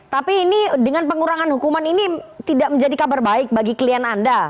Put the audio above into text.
tapi ini dengan pengurangan hukuman ini tidak menjadi kabar baik bagi klien anda